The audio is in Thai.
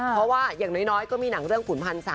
เพราะว่าอย่างน้อยก็มีหนังเรื่องขุนพันธ์ซะ